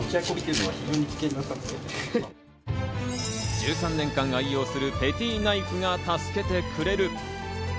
１３年間愛用するペティナイフが助けてくれる。